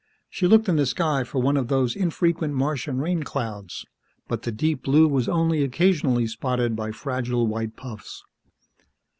She looked in the sky for one of those infrequent Martian rain clouds, but the deep blue was only occasionally spotted by fragile white puffs.